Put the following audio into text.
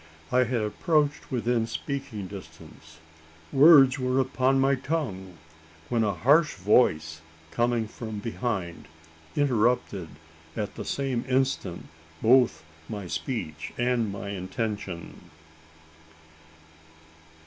I had approached within speaking distance. Words were upon my tongue; when a harsh voice, coming from behind, interrupted, at the same instant, both my speech and my intention.